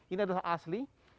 ini adalah asli